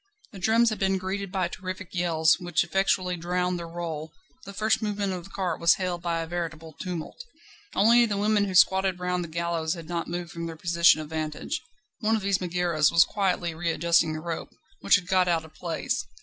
The drums had been greeted by terrific yells, which effectually drowned their roll; the first movement of the cart was hailed by a veritable tumult. Only the women who squatted round the gallows had not moved from their position of vantage; one of these Mægæras was quietly readjusting the rope, which had got out of place.